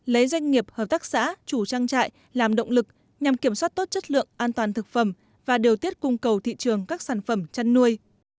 lấy doanh nghiệp hợp tác xã chủ trang trại làm động lực nhằm kiểm soát tốt chất lượng an toàn thực phẩm và điều tiết cung cầu thị trường các sản phẩm chăn nuôi